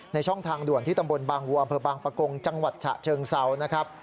ช่องทางด่วนที่ตำบลบางวัวอำเภอบางปะกงจังหวัดฉะเชิงเซานะครับ